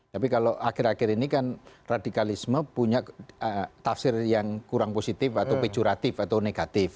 tapi kalau akhir akhir ini kan radikalisme punya tafsir yang kurang positif atau pecuratif atau negatif